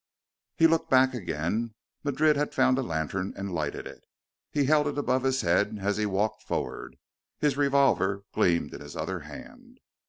He looked back again. Madrid had found a lantern and lighted it. He held it above his head as he walked forward. His revolver gleamed in his other hand.